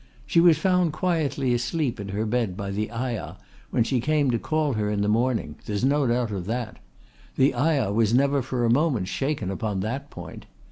She was found quietly asleep in her bed by the ayah when she came to call her in the morning. There's no doubt of that. The ayah was never for a moment shaken upon that point.